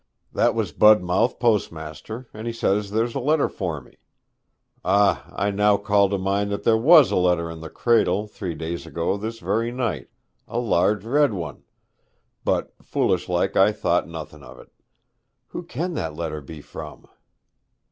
'That was Budmouth postmaster, and he says there's a letter for me. Ah, I now call to mind that there was a letter in the candle three days ago this very night a large red one; but foolish like I thought nothing o't. Who can that letter be from?'